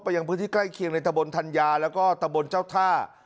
ยังพื้นที่ใกล้เคียงในตะบนธัญญาแล้วก็ตะบนเจ้าท่า